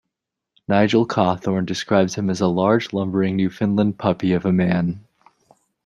Nigel Cawthorne describes him as a large, lumbering, Newfoundland puppy of a man.